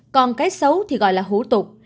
còn cái xấu thì gọi là hữu tục